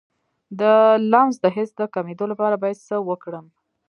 د لمس د حس د کمیدو لپاره باید څه وکړم؟